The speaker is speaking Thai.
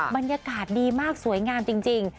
บรรยากาศดีมากสวยงามจริง